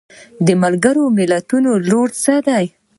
د ملګرو ملتونو رول څه دی؟